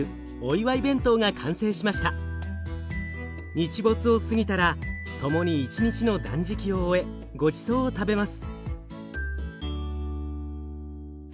日没を過ぎたら共に一日の断食を終えごちそうを食べます。